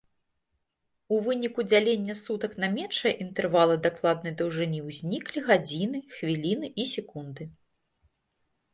У выніку дзялення сутак на меншыя інтэрвалы дакладнай даўжыні ўзніклі гадзіны, хвіліны і секунды.